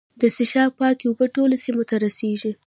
د څښاک پاکې اوبه ټولو سیمو ته رسیږي.